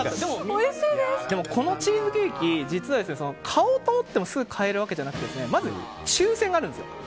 このチーズケーキ実は、買おうと思ってもすぐ買えるわけじゃなくてまず抽選があるんです。